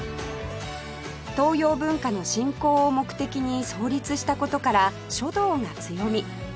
東洋文化の振興を目的に創立した事から書道が強み